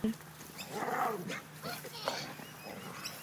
It has charbagh style garden.